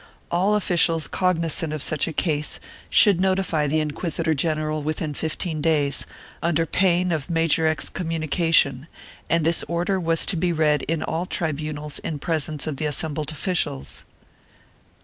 All officials cognizant of such a case should notify the inquisitor general within fifteen days, under pain of major excommunication, and this order was to be read in all tribunals in presence of the assembled officials.